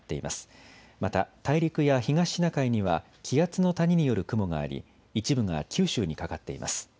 また、大陸や東シナ海には気圧の谷による雲があり一部が九州にかかっています。